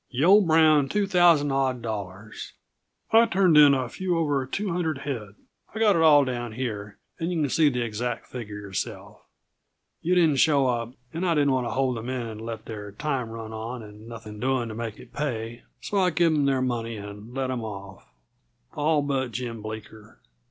"Yuh owe Brown two thousand odd dollars. I turned in a few over two hundred head I've got it all down here, and yuh can see the exact figure yourself. Yuh didn't show up, and I didn't want to hold the men and let their time run on and nothing doing to make it pay, so I give 'em their money and let 'em off all but Jim Bleeker.